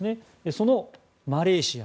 そのマレーシア。